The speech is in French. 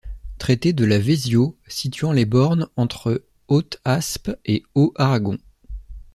Traité de la Vesiau situant les bornes entre Haute Aspe et Haut Aragon.